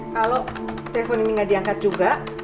kalau telepon ini gak diangkat juga